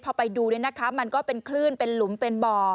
พอไปดูมันก็เป็นคลื่นเป็นหลุมเป็นบ่อ